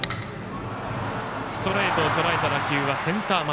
ストレートをとらえた打球はセンター前。